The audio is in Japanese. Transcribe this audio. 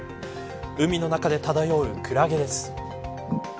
海の中で漂うクラゲです。